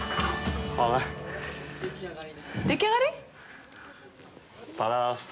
出来上がり？